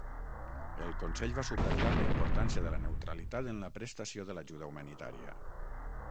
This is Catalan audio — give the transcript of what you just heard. El Consell va subratllar la importància de la neutralitat en la prestació de l'ajuda humanitària.